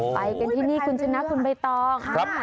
ไปกันที่นี่คุณชนะคุณใบตอง